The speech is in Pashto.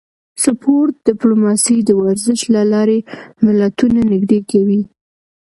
سپورت ډیپلوماسي د ورزش له لارې ملتونه نږدې کوي